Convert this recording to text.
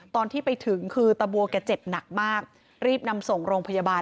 ตอนที่ไปถึงคือตะบัวแกเจ็บหนักมากรีบนำส่งโรงพยาบาล